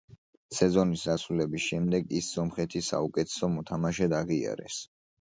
სეზონის დასრულების შემდეგ ის სომხეთის საუკეთესო მოთამაშედ აღიარეს.